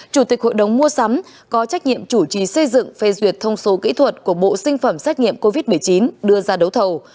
chủ tịch hội đồng mua sắm có trách nhiệm chủ trì xây dựng phê duyệt thông số kỹ thuật của bộ sinh phẩm xét nghiệm covid một mươi chín đưa ra đấu thầu